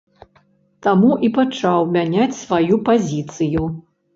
Таму і пачаў мяняць сваю пазіцыю.